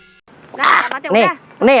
nah alamatnya udah selesai